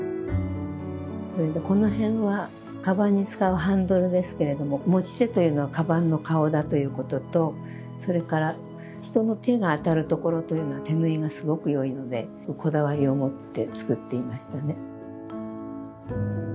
それでこの辺はカバンに使うハンドルですけれども持ち手というのはカバンの顔だということとそれから人の手が当たるところというのは手縫いがすごくよいのでこだわりを持って作っていましたね。